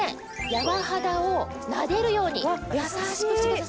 柔肌をなでるように優しくしてください。